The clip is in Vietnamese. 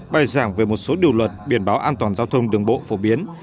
bài giảng về một số điều luật biển báo an toàn giao thông đường bộ phổ biến